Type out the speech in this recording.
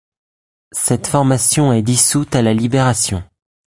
Cette formation est dissoute à la Libération.